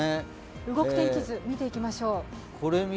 動く天気図、見ていきましょう。